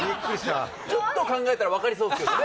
ちょっと考えたら分かりそうですけどね